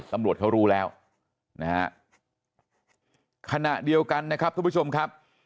ตำรวจเขารู้แล้วนะฮะขณะเดียวกันนะครับทุกผู้ชมครับ